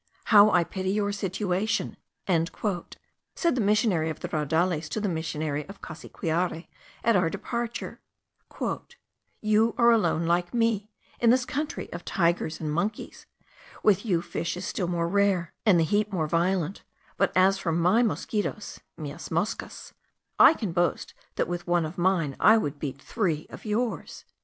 "How I pity your situation!" said the missionary of the Raudales to the missionary of Cassiquiare, at our departure; "you are alone, like me, in this country of tigers and monkeys; with you fish is still more rare, and the heat more violent; but as for my mosquitos (mias moscas) I can boast that with one of mine I would beat three of yours."